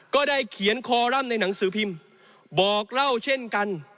ก็ได้เขียนคอรัมป์ในหนังสือพิมพ์บอกเล่าเช่นกัน